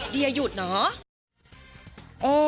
เดี๋ยวหยุดเนาะ